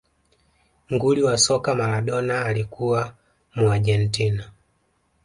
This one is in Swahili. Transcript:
nguli wa soka maladona alikuwa muargentina